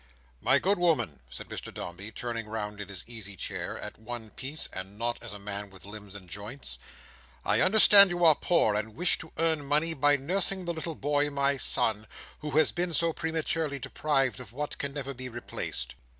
"My good woman," said Mr Dombey, turning round in his easy chair, as one piece, and not as a man with limbs and joints, "I understand you are poor, and wish to earn money by nursing the little boy, my son, who has been so prematurely deprived of what can never be replaced.